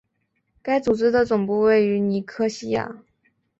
该组织的总部位于尼科西亚。